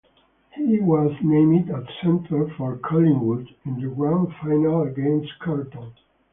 He was named at centre for Collingwood in the Grand Final against Carlton.